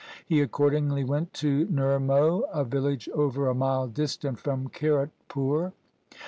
He accordingly went to Nirmoh, a village over a mile distant from Kiratpur.